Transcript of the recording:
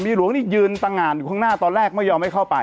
เมียหลวงมันยืนตะงานข้างหน้าตอนแรกไม่ยอมไปเข้าไป